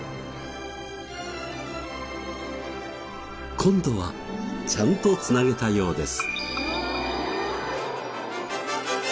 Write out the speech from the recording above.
今度はちゃんと繋げたようです。